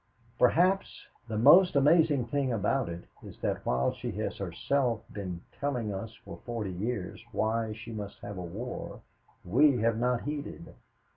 Perhaps the most amazing thing about it is that while she has herself been telling us for forty years why she must have a war, we have not heeded.